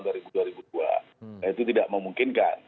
nah itu tidak memungkinkan